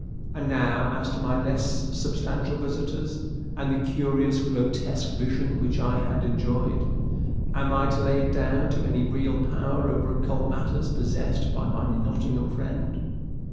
And now as to my less substantial visitors, and the curious, grotesque vision which I had enjoyed am I to lay it down to any real power over occult matters possessed by my Nottingham friend?